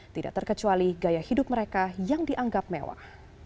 tidak terkecuali gaya hidup mereka yang dianggap mewah